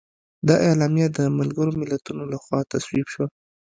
دا اعلامیه د ملګرو ملتونو لخوا تصویب شوه.